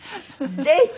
ぜひ！